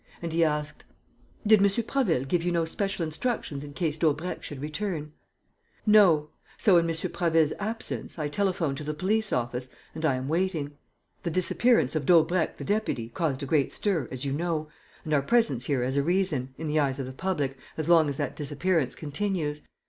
And he asked, "Did M. Prasville give you no special instructions in case Daubrecq should return?" "No. So, in M. Prasville's absence, I telephoned to the police office and I am waiting. The disappearance of Daubrecq the deputy caused a great stir, as you know, and our presence here has a reason, in the eyes of the public, as long as that disappearance continues.